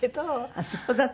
あっそうだったの。